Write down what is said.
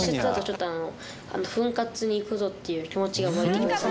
「フンカツに行くぞ」っていう気持ちが湧いてきません。